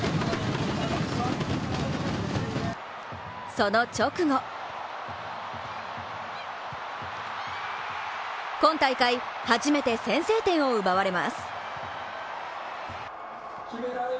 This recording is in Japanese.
その直後今大会、初めて先制点を奪われます。